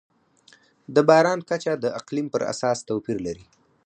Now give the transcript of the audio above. د باران کچه د اقلیم پر اساس توپیر لري.